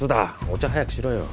お茶早くしろよ。